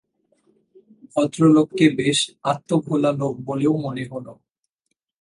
ভদ্রলোককে বেশ আত্মভোলা লোক বলেও মনে হল।